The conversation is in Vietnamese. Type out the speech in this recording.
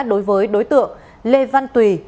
đối với đối tượng lê văn tùy